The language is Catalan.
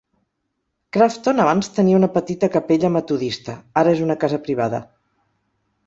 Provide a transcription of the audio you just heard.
Crafton abans tenia una petita capella metodista. Ara és una casa privada.